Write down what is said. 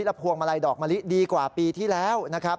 พวงมาลัยดอกมะลิดีกว่าปีที่แล้วนะครับ